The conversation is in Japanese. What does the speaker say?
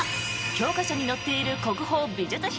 教科書に載っている国宝・美術品！